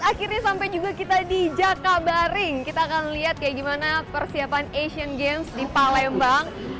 akhirnya sampai juga kita di jakabaring kita akan lihat kayak gimana persiapan asian games di palembang